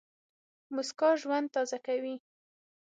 موسکا ژوند تازه کوي.